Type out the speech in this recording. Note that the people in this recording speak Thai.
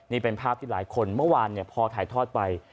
นี่เป็นภาพที่หลายคนเมื่อวานพอถ่ายทอดไป